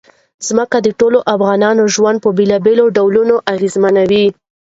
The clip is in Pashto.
ځمکه د ټولو افغانانو ژوند په بېلابېلو ډولونو اغېزمنوي.